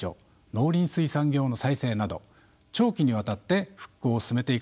農林水産業の再生など長期にわたって復興を進めていかざるをえません。